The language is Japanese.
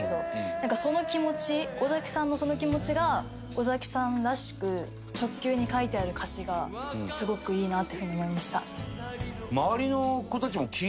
なんかその気持ち尾崎さんのその気持ちが尾崎さんらしく直球に書いてある歌詞がすごくいいなっていうふうに思いました。